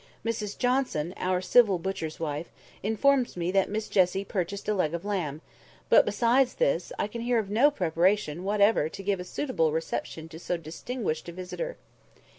Mrs Johnson, our civil butcher's wife, informs me that Miss Jessie purchased a leg of lamb; but, besides this, I can hear of no preparation whatever to give a suitable reception to so distinguished a visitor.